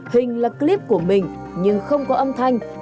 hình là clip của mình nhưng không có âm thanh